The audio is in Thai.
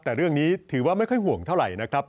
แต่เรื่องนี้ถือว่าไม่ค่อยห่วงเท่าไหร่นะครับ